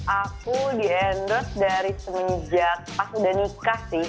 aku di endorse dari semenjak pas udah nikah sih